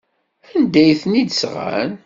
Anda ay ten-id-sɣan?